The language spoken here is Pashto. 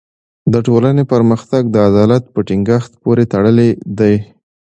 د ټولني پرمختګ د عدالت په ټینګښت پوری تړلی دی.